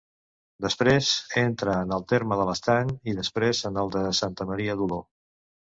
Després, entra en el terme de l'Estany, i després en el de Santa Maria d'Oló.